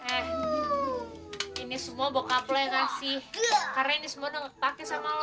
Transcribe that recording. eh ini semua bokap lo yang kasih karena ini semua udah kepake sama lo